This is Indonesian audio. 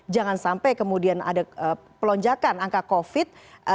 jangan sampai kemudian ada pelonjakan angka covid